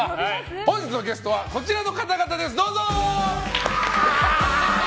本日のゲストはこちらの方々です、どうぞ！